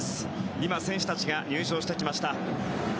今、選手たちが入場してきました。